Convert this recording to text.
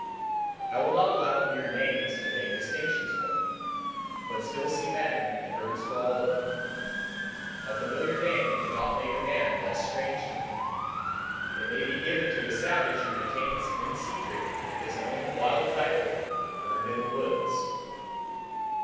I will not allow mere names to make distinctions for me, but still see men in herds for all them. A familiar name cannot make a man less strange to me. It may be given to a savage who retains in secret his own wild title earned in the woods.